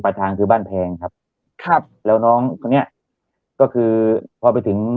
ทางคือบ้านแพงครับครับแล้วน้องคนนี้ก็คือพอไปถึง